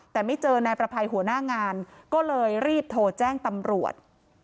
แต่ไม่เจอนายประภัยหัวหน้างานก็เลยรีบโทรแจ้งตำรวจ